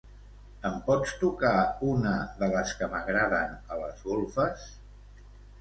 Em pots tocar una de les que m'agraden a les golfes?